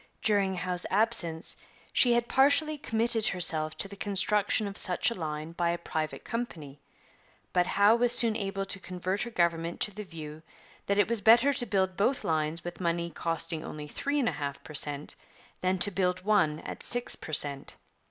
During Howe's absence she had partially committed herself to the construction of such a line by a private company, but Howe was soon able to convert her government to the view that it was better to build both lines with money costing only three and a half per cent than to build one at six per cent.